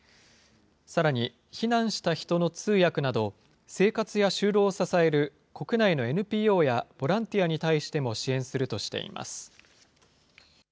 さらに、避難した人の通訳など、生活や就労を支える国内のＮＰＯやボランティアに対しても支援するとしています。